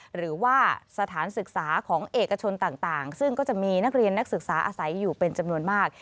หรือว่าสถานศึกษาของเอกชนต่างซึ่งก็จะมีนักเรียนนักศึกษาอาศัยอยู่เป็นจำนวนมาก